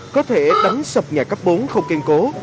có thể đánh sập nhà cấp bốn không kiên cố